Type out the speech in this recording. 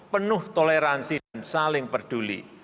penuh toleransi dan saling peduli